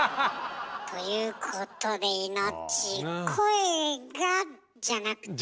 ということでイノッチ「声が」じゃなくて。